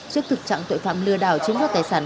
trước thực trạng tội phạm lừa đảo chính pháp tài sản